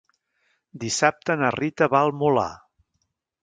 Dissabte na Rita va al Molar.